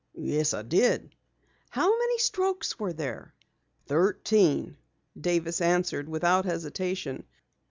"Yes, I did." "How many strokes were there?" "Thirteen," Davis answered without hesitation.